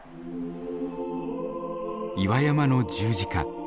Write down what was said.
岩山の十字架。